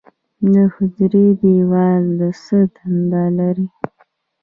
د حجرې دیوال څه دنده لري؟